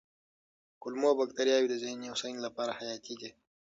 کولمو بکتریاوې د ذهني هوساینې لپاره حیاتي دي.